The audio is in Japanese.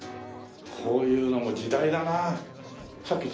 こういうのも時代だなあ。